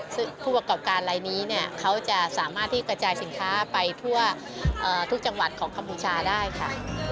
ซึ่งผู้ประกอบการลายนี้เนี่ยเขาจะสามารถที่กระจายสินค้าไปทั่วทุกจังหวัดของคัมพูชาได้ค่ะ